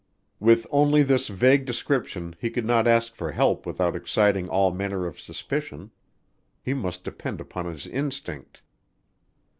With only this vague description he could not ask for help without exciting all manner of suspicion. He must depend upon his instinct.